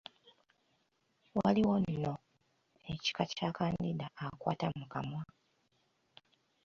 Waliwo nno ekika kya kandida akwata mu kamwa.